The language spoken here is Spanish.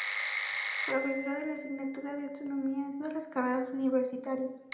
Profesora de la asignatura de astronomía en todas las carreras universitarias.